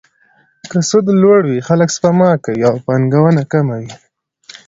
که سود لوړ وي، خلک سپما کوي او پانګونه کمه وي.